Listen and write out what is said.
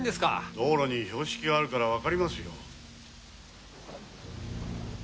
道路に標識があるからわかりますよ。